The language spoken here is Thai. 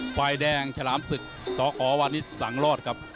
ฝ่ายแดงฉลามศึกสขวานิสสังรอดครับ